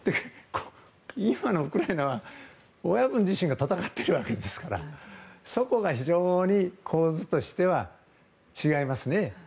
今のウクライナは親分自身が戦っているわけですからそこが、非常に構図としては違いますね。